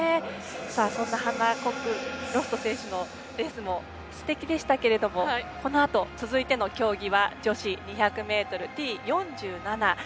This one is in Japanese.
そんなハナ・コックロフト選手のレースもすてきでしたけれどもこのあと続いての競技は女子２００ｍＴ４７。